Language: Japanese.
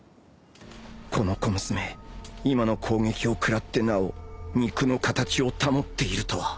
この小娘今の攻撃をくらってなお肉の形を保っているとは